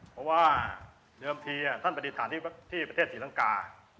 เพราะว่าเดิมทีท่านปฏิฐานที่ประเทศศรีลังกา